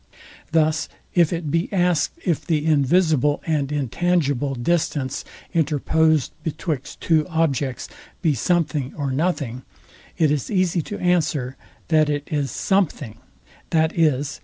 Thus, if it be asked, if the invisible and intangible distance, interposed betwixt two objects, be something or nothing: It is easy to answer, that it is SOMETHING, VIZ.